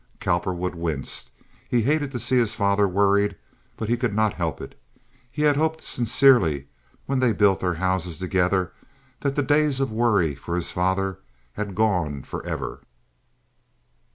Cowperwood winced. He hated to see his father worried, but he could not help it. He had hoped sincerely, when they built their houses together, that the days of worry for his father had gone forever.